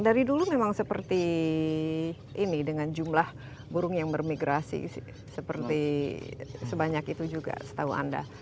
dari dulu memang seperti ini dengan jumlah burung yang bermigrasi seperti sebanyak itu juga setahu anda